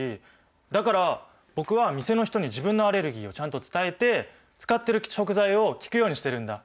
だから僕は店の人に自分のアレルギーをちゃんと伝えて使ってる食材を聞くようにしているんだ。